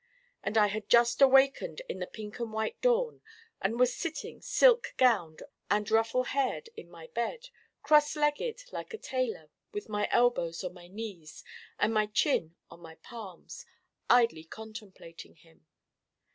And I had just awakened in the pink and white dawn and was sitting silk gowned and ruffle haired in my bed, cross legged like a tailor with my elbows on my knees and my chin on my palms, idly contemplating him.